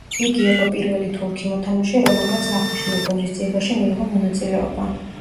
იგი იყო პირველი თურქი მოთამაშე, რომელმაც აღნიშნულ ღონისძიებაში მიიღო მონაწილეობა.